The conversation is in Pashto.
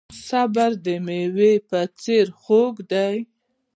صبر د میوې په څیر خوږ دی.